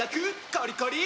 コリコリ！